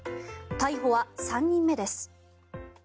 逮捕は３人目です。